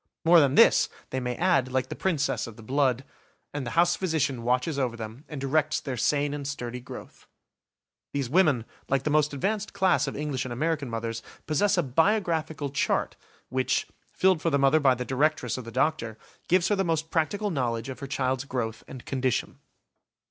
More than this, they may add, like the princess of the blood, "And the house physician watches over them and directs their sane and sturdy growth". These women, like the most advanced class of English and American mothers, possess a "Biographical Chart", which, filled for the mother by the directress or the doctor, gives her the most practical knowledge of her child's growth and condition.